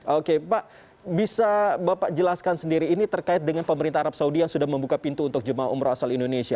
oke pak bisa bapak jelaskan sendiri ini terkait dengan pemerintah arab saudi yang sudah membuka pintu untuk jemaah umroh asal indonesia